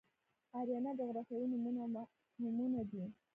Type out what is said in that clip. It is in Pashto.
آریانا جغرافیایي نومونه او مفهومونه دي.